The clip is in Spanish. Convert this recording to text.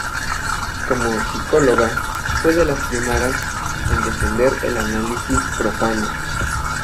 Como psicóloga, fue de las primeras a defender el análisis profano.